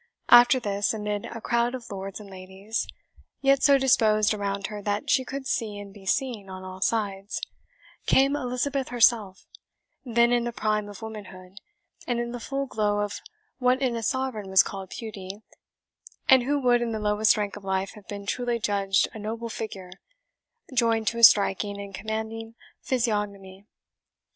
After this, amid a crowd of lords and ladies, yet so disposed around her that she could see and be seen on all sides, came Elizabeth herself, then in the prime of womanhood, and in the full glow of what in a Sovereign was called beauty, and who would in the lowest rank of life have been truly judged a noble figure, joined to a striking and commanding physiognomy.